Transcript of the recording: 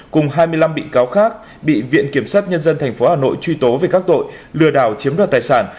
cùng hai mươi năm bị cáo khác bị viện kiểm sát nhân dân tp hà nội truy tố về các tội lừa đảo chiếm đoạt tài sản